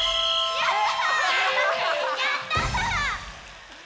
やった！